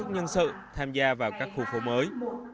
nhân sự tham gia vào các khu phố mới